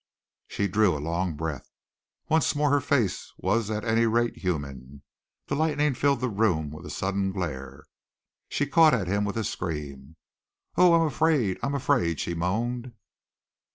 She drew a long breath. Once more her face was at any rate human. The lightning filled the room with a sudden glare. She caught at him with a scream. "Oh! I am afraid, I am afraid!" she moaned.